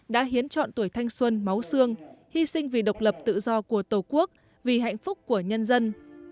đã hiến chọn tuổi thanh xuân máu xương hy sinh vì độc lập tự do của tổ quốc vì hạnh phúc của nhân dân